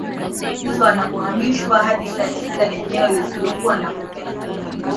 Kupe walioambukizwa wanapohamishwa hadi katika eneo lisilokuwa na kupe